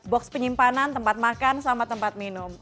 box penyimpanan tempat makan sama tempat minum